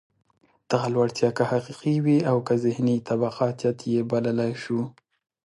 دغه لوړتیا که حقیقي وي او که ذهني وي، طبقاتيت یې بللای شو.